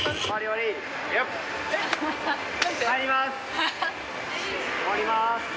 終わります。